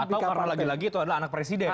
atau karena lagi lagi itu adalah anak presiden